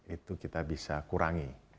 itu kita bisa kurangi